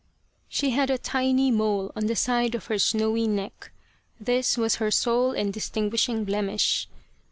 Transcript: She had a tiny mole on the side of her snowy neck. This was her sole and distinguishing blemish.